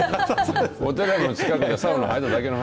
お寺の近くのサウナ入っただけの話。